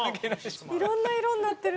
色んな色になってる。